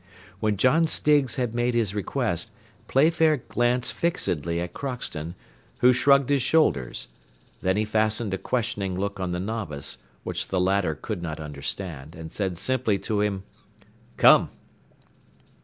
When John Stiggs had made his request, Playfair glanced fixedly at Crockston, who shrugged his shoulders; then he fastened a questioning look on the novice, which the latter could not withstand, and said simply to him, "Come."